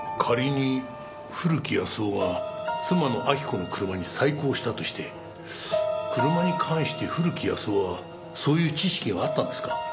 仮に古木保男が妻の亜木子の車に細工をしたとして車に関して古木保男はそういう知識があったんですか？